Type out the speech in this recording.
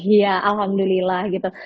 iya alhamdulillah gitu